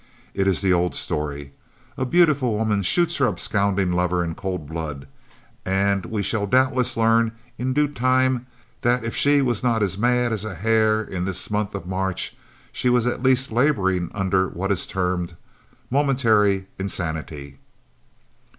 It is the old story. A beautiful woman shoots her absconding lover in cold blood; and we shall doubtless learn in due time that if she was not as mad as a hare in this month of March, she was at least laboring under what is termed "momentary insanity."